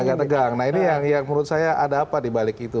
agak tegang nah ini yang menurut saya ada apa dibalik itu